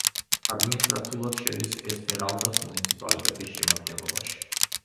ადმინისტრაციულად შედის ესმერალდას მუნიციპალიტეტის შემადგენლობაში.